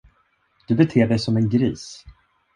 Du beter dig som en gris.